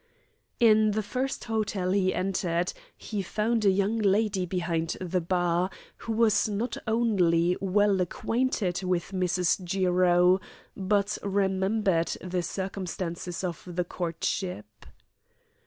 In the first hotel he entered he found a young lady behind the bar who was not only well acquainted with Mrs. Jiro, but remembered the circumstances of the courtship.